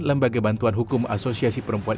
lembaga bantuan hukum asosiasi perempuan